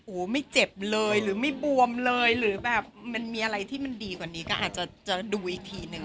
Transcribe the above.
ไม่เจ็บเลยหรือไม่บวมเลยหรือแบบมันมีอะไรที่มันดีกว่านี้ก็อาจจะดูอีกทีนึง